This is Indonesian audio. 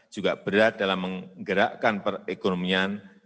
juga berat dalam menggerakkan perekonomian